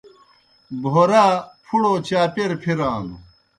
بھورا پْھڑوْ چاپیر پِھرانوْ۔